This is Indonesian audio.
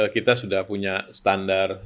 kita sudah punya standar